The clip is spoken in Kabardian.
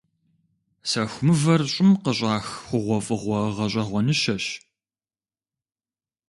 Сэху мывэр щӀым къыщӀах хъугъуэфӀыгъуэ гъэщӀэгъуэныщэщ.